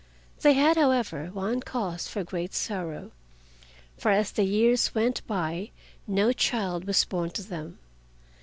They had, however, one cause for great sorrow, for as the years went by no child was born to them.